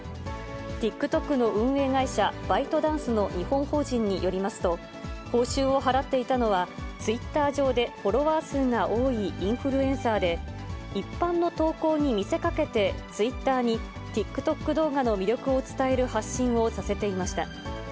ＴｉｋＴｏｋの運営会社、バイトダンスの日本法人によりますと、報酬を払っていたのは、ツイッター上でフォロワー数が多いインフルエンサーで、一般の投稿に見せかけて、ツイッターにＴｉｋＴｏｋ動画の魅力を伝える発信をさせていました。